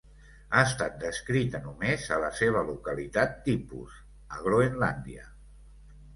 Ha estat descrita només a la seva localitat tipus, a Groenlàndia.